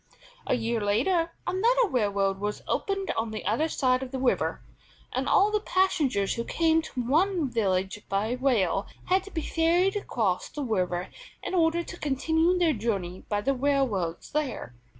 A year later another railroad was opened on the other side of the river, and all the passengers who came to one village by rail had to be ferried across the river in order to continue their journey by the railroads there.